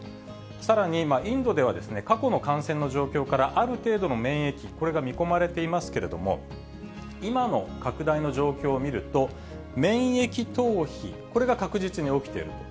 さらに、インドでは過去の感染の状況からある程度の免疫、これが見込まれていますけども、今の拡大の状況を見ると、免疫逃避、これが確実に起きていると。